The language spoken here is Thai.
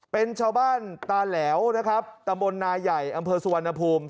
เป็นชาวบ้านตาแหลวนะครับตะบนนาใหญ่อำเภอสุวรรณภูมิ